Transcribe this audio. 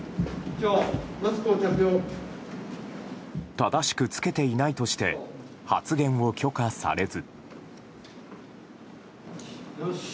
正しく着けていないとして発言を許可されず。